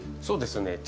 そうですね。